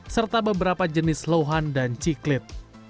serta beberapa jenis lohan dan ciklit